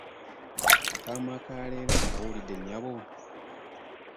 Akaama ka leero okawulidde nnyabo?